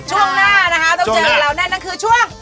ช่วงหน้านะคะต้องเจอกับเราแน่นั่นคือช่วง